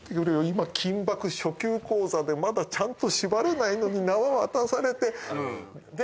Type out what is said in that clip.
今緊縛初級講座でまだちゃんと縛れないのに縄渡されて。